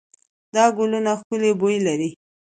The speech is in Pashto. دا ګلونه ښکلې بوی لري.